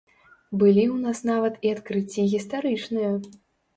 Былі ў нас нават і адкрыцці гістарычныя!